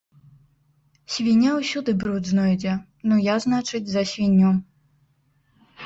Свіння ўсюды бруд знойдзе, ну я, значыць, за свінню.